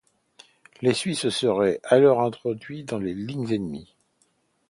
Les Suisses se seraient alors introduits dans les lignes ennemies.